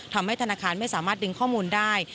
ทำให้ธนาคารไม่สามารถดึงข้อมูลได้